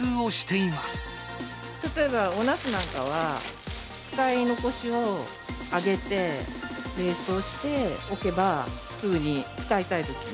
例えばおなすなんかは、使い残しを揚げて、冷凍しておけば、すぐに使いたいときに。